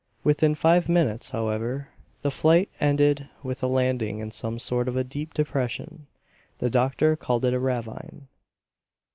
Within five minutes, however, the flight ended with a landing in some sort of a deep depression; the doctor called it a ravine.